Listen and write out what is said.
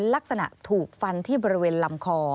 ลักษณะถูกฟันที่บริเวณลำคอ